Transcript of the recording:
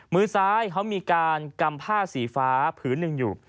มือซ้ายเขามีการกำผ้าสีฟ้าผืนหนึ่งอยู่